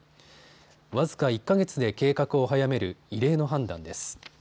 僅か１か月で計画を早める異例の判断です。